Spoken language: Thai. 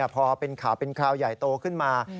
พอเป็นข่าวเป็นคราวใหญ่โตขึ้นมา